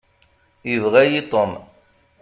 Yebɣa-yi Tom.